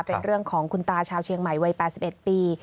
เป็นเรื่องของคุณตาชาวเชียงใหม่วัย๘๑ปี